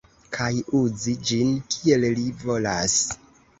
Kaj uzi ĝin kiel li volas.